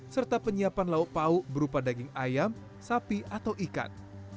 serta penyiapan lauk pauk berupa daging ayam sapi atau ikan